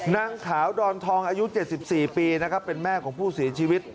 นางสาวดอนทองอายุ๗๔ปีนะครับเป็นแม่ของผู้เสียชีวิต